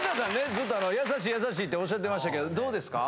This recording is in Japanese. ずっと「優しい優しい」って仰ってましたけどどうですか？